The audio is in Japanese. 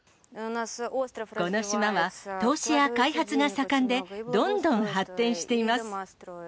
この島は投資や開発が盛んで、どんどん発展しています。